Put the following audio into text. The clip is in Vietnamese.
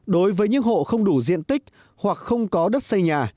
đối với những hộ không đủ diện tích hoặc không có đất xây nhà